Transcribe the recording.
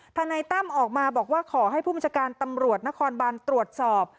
นายตั้มออกมาบอกว่าขอให้ผู้บัญชาการตำรวจนครบานตรวจสอบ